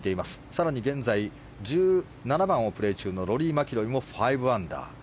更に現在、１７番をプレー中のローリー・マキロイも５アンダー。